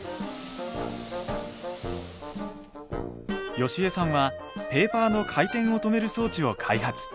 好江さんはペーパーの回転を止める装置を開発。